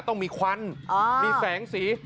ต้องมีควันมีแสงสี